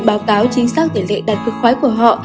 báo cáo chính xác tỉ lệ đạt cực khoái của họ